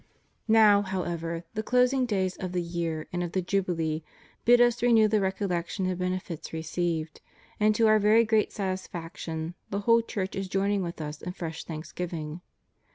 Now, however, the closing days of the year and of the Jubilee bid Us renew the recollection of benefits received; and, to Our very great satisfaction, the whole Church is joining with us in fresh thanksgiving.